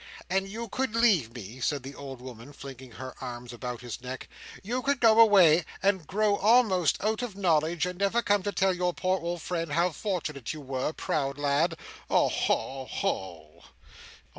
"And you could leave me!" said the old woman, flinging her arms about his neck. "You could go away, and grow almost out of knowledge, and never come to tell your poor old friend how fortunate you were, proud lad! Oho, Oho!"